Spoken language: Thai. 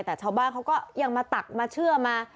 แต่ชาวบ้านเขาก็ยังมาตักมาเชื่อมา